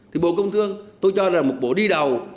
thì bộ công thương tôi cho rằng một bộ đi đầu